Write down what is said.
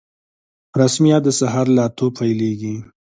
رسميات د سهار له اتو پیلیږي